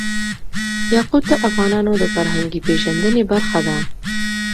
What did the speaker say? یاقوت د افغانانو د فرهنګي پیژندنې برخه ده.